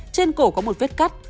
trên cổ có một vết cắt